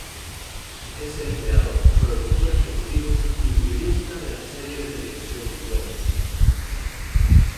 Es el creador, productor ejecutivo y guionista de la serie de televisión Bones.